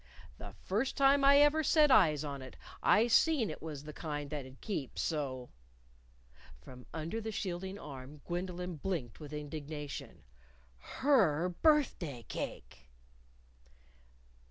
The first time I ever set eyes on it I seen it was the kind that'd keep, so " From under the shielding arm Gwendolyn blinked with indignation. _Her birthday cake!